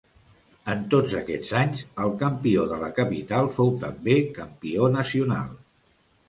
En tots aquests anys, el campió de la capital fou també campió nacional.